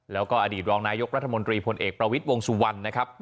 แล้วก็อดีตรองนายกรัฐมนตรีพลเอกประวิทย์วงสุวรรณนะครับ